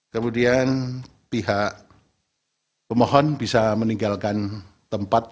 kemudian pihak pemohon bisa meninggalkan tempat